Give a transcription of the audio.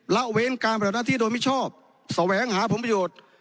ละเว้นการปฏิบัติหน้าที่โดยมิชอบแสวงหาผลประโยชน์